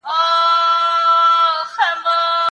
سیاست خپلې پرېکړې پلي کړې وې.